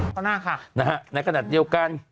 ต่อหน้าค่ะนะฮะในขณะเดียวกัน